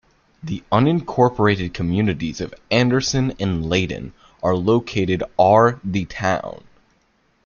The unincorporated communities of Anderson and Leyden are located are the town.